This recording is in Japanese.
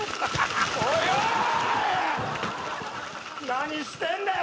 何してんだよ！